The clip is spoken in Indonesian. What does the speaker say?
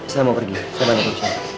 saya mau pergi saya banyak urusan